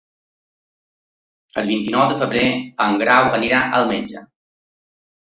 El vint-i-nou de febrer en Grau irà al metge.